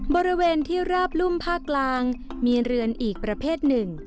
บริเวณที่ราบรุ่มภาคกลางมีเรือนอีกประเภทหนึ่ง